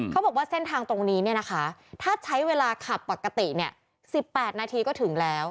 เขาบอกว่าเส้นทางตรงนี้เนี่ยนะคะถ้าใช้เวลาขับปกติ๑๘นาทีก็ถึงแล้ว